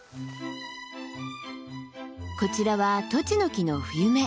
こちらはトチノキの冬芽。